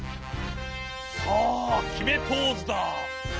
さあきめポーズだ。